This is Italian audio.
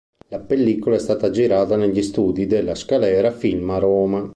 La pellicola è stata girata negli studi della Scalera Film a Roma.